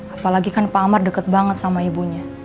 apalagi kan pak amar deket banget sama ibunya